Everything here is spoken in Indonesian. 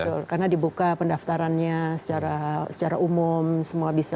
betul karena dibuka pendaftarannya secara umum semua bisa